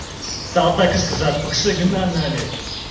Салтакышкыжат пыкше гына нальыч.